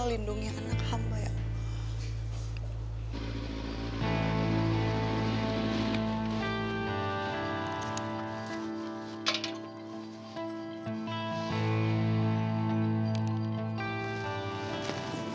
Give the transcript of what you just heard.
lindungi anak hamba ya